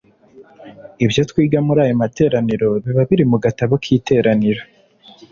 Ibyo twiga muri ayo materaniro biba biri mu gatabo k iteraniro